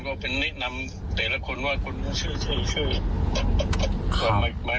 ก็เคยเจอในวงดื่มกันอะไรอย่างนี้ใช่ไหมฮะ